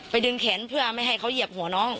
ดึงแขนเพื่อไม่ให้เขาเหยียบหัวน้อง